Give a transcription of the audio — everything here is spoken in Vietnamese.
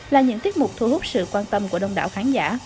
là những tiết mục thu hút sự quan tâm của đông đảo khán giả